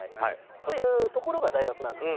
そういうところが大学なんですね。